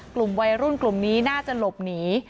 กลุ่มวัยรุ่นกลุ่มนี้น่าจะหลบหนี